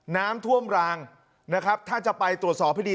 น้ำท่วมรางนะครับถ้าจะไปตรวจสอบให้ดี